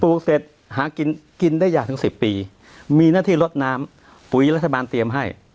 ลูกเสร็จหากินกินได้อย่างถึงสิบปีมีหน้าที่ลดน้ำปุ๋ยรัฐบาลเตรียมให้